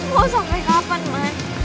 lo usah pick up man